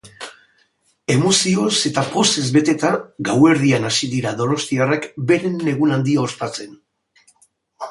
Emozioz eta pozez beteta, gauerdian hasi dira donostiarrak beren egun handia ospatzen.